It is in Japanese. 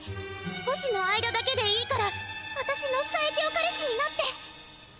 少しの間だけでいいからあたしの最強彼氏になって。